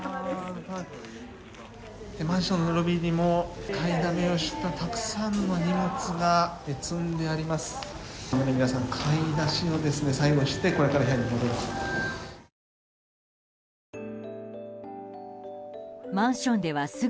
マンションのロビーに買いだめをしたたくさんの荷物が積んであります。